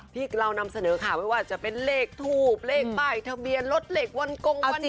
ที่เรานำเสนอข่าวไม่ว่าจะเป็นเลขทูบเลขป้ายทะเบียนรถเลขวันกงวันนี้